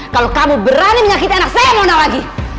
kalau kamu berani menyakiti anak saya mau na lagi